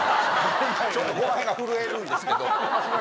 ちょっとこの辺が震えるんですけど。